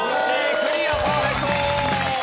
クリアパーフェクト！